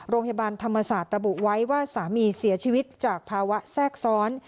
โรงพยาบาลธรรมศาสตร์ระบุไว้ว่าสามีเสียชีวิตจากภาวะแทรกซ้อน